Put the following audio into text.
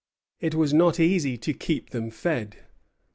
It was not easy to keep them fed.